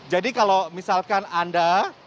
jadi kalau misalkan anda